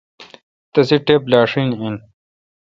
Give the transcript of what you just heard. تسے ٹپ لاشین این۔